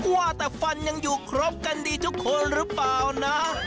ว่าแต่ฟันยังอยู่ครบกันดีทุกคนหรือเปล่านะ